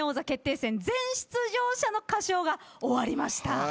全出場者の歌唱が終わりました。